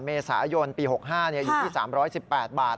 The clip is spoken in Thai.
เมษายนปี๖๕อยู่ที่๓๑๘บาท